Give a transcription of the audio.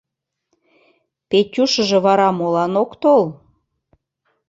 Петюшыжо вара молан ок тол?